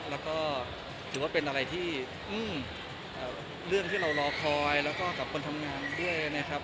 แล้วก็ถือว่าเป็นอะไรที่เรื่องที่เรารอคอยแล้วก็กับคนทำงานด้วยนะครับ